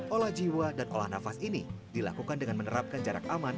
olah jiwa dan olah nafas ini dilakukan dengan menerapkan jarak aman